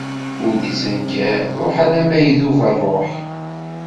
Ur d-ittnekkar ṛṛuḥ alamma idub ṛṛuḥ.